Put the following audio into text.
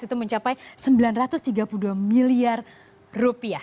itu mencapai sembilan ratus tiga puluh dua miliar rupiah